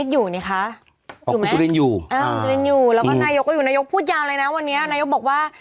อยู่แล้วมันอยู่นายกพูดอย่างอะไรนะวันนี้อน้ายกบอกว่า